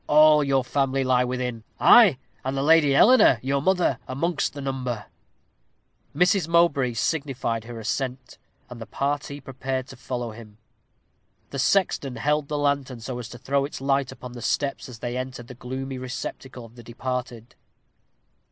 All your family lie within ay, and the Lady Eleanor, your mother, amongst the number." Mrs. Mowbray signified her assent, and the party prepared to follow him. The sexton held the lantern so as to throw its light upon the steps as they entered the gloomy receptacle of the departed.